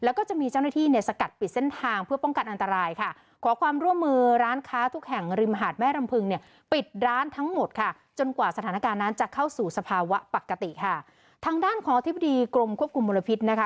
วะปกติค่ะทางด้านของอธิบดีกรมควบคุมมูลพิษนะคะ